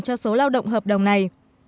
cho số lao động hợp đồng này